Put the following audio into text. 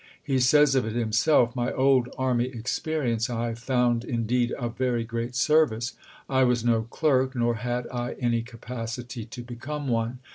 He says of it himself: "My old army experience I found, indeed, of very great service. I was no clerk, nor had I any capacity to become one.